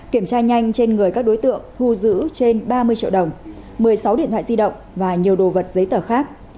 kiểm tra nhanh trên người các đối tượng thu giữ trên ba mươi triệu đồng một mươi sáu điện thoại di động và nhiều đồ vật giấy tờ khác